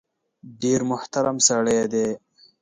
ډېر محترم سړی دی .